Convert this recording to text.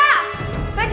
mas tapi rumah alasya